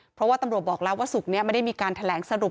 เพราะว่าตำรวจบอกแล้วว่าศุกร์นี้ไม่ได้มีการแถลงสรุป